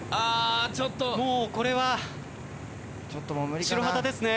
もうこれは白旗ですね。